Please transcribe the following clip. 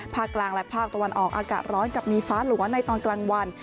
กลางและภาคตะวันออกอากาศร้อนกับมีฟ้าหลัวในตอนกลางวัน